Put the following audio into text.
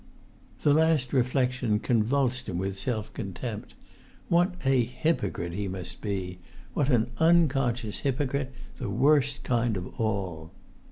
The last reflection convulsed him with self contempt. What a hypocrite he must be! What an unconscious hypocrite, the worst kind of all!